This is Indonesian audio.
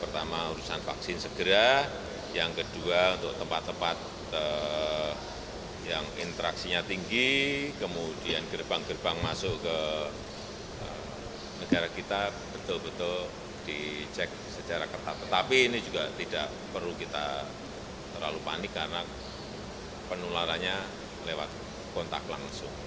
tapi ini juga tidak perlu kita terlalu panik karena penularannya lewat kontak langsung